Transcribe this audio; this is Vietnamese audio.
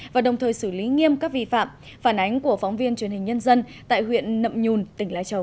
và đồng thời xử lý nghiêm các vi phạm phản ánh của phóng viên truyền hình nhân dân tại huyện nậm nhùn tỉnh lai châu